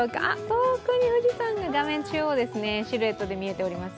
遠くに富士山が、画面中央にシルエットで見えております。